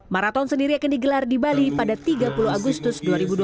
maraton sendiri akan digelar di bali pada tiga puluh agustus dua ribu dua puluh